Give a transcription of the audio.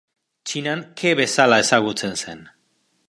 Txinan Ke bezala ezagutzen zen.